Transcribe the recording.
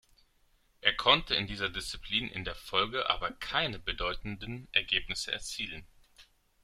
Er konnte in dieser Disziplin in der Folge aber keine bedeutenden Ergebnisse erzielen.